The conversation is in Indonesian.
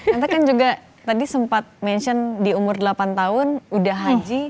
kata kan juga tadi sempat mention di umur delapan tahun udah haji